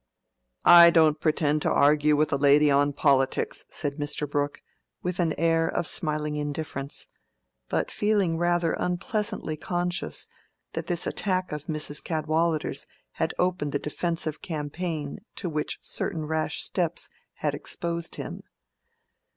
"I don't pretend to argue with a lady on politics," said Mr. Brooke, with an air of smiling indifference, but feeling rather unpleasantly conscious that this attack of Mrs. Cadwallader's had opened the defensive campaign to which certain rash steps had exposed him.